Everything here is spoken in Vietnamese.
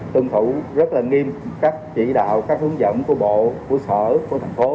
tuân thủ rất là nghiêm các chỉ đạo các hướng dẫn của bộ của sở của thành phố